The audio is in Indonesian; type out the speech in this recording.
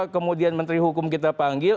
kemudian menteri hukum kita panggil